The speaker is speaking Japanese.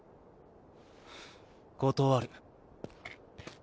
断る。